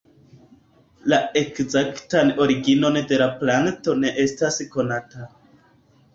La ekzaktan originon de la planto ne estas konata.